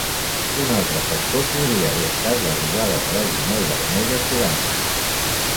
Un altre factor podria haver estat l'arribada de la guineu vermella forana.